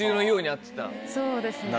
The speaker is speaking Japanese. そうですね。